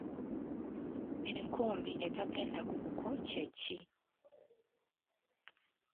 Enkumbi etagenda ku buko kye ki?